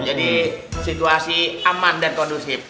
jadi situasi aman dan kondusif